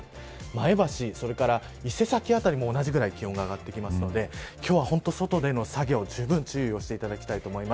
前橋、それから伊勢崎辺りも同じぐらい気温が上がってくるので今日は本当に外での作業じゅうぶん注意してください。